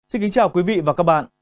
xin kính chào quý vị và các bạn